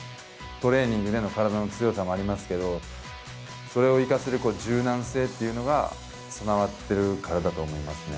トレーニングでの体の強さもありますけど、それを生かせる柔軟性っていうのが備わっているからだと思いますね。